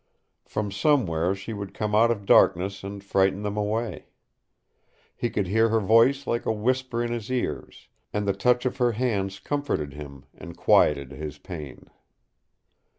From somewhere she would come out of darkness and frighten them away. He could hear her voice like a whisper in his ears, and the touch of her hands comforted him and quieted his pain.